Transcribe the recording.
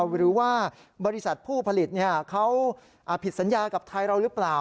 หรือว่าบริษัทผู้ผลิตเขาผิดสัญญากับไทยเราหรือเปล่า